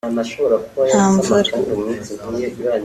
nta mvura